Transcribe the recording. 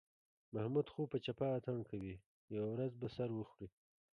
محمود خو په چپه اتڼ کوي، یوه ورځ به سر وخوري.